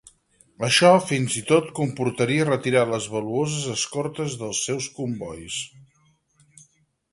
Això fins i tot comportaria retirar les valuoses escortes dels seus combois.